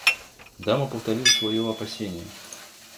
Дама повторила свое опасение.